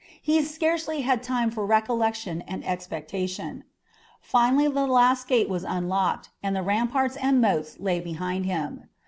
He scarcely had time for recollection and expectation. Finally, the last gate was unlocked, and the ramparts and moats lay behind him.